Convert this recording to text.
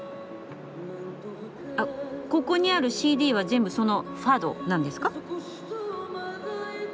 あここにあるＣＤは全部その「ファド」なんですか？